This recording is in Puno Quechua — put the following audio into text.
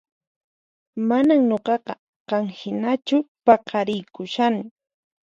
Manan nuqaqa qan hinachu qapariykushani